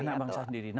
anak bangsa sendiri